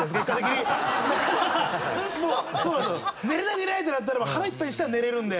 寝れないってなったら腹いっぱいにしたら寝れるんで。